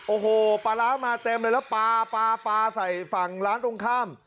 โอ้โหปลาร้ามาเต็มเลยแล้วปลาปลาใส่ฝั่งร้านตรงข้าม